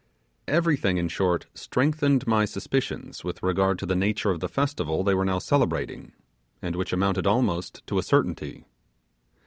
Everything, in short, strengthened my suspicions with regard to the nature of the festival they were now celebrating; and which amounted almost to a certainty.